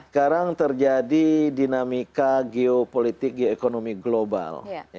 sekarang terjadi dinamika geopolitik geoekonomi global